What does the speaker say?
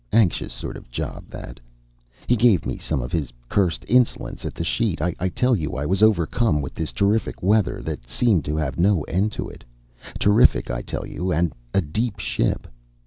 Anxious sort of job, that. He gave me some of his cursed insolence at the sheet. I tell you I was overdone with this terrific weather that seemed to have no end to it. Terrific, I tell you and a deep ship.